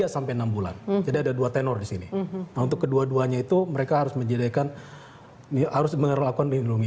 sampai dengan dua ribu empat belas sampai dengan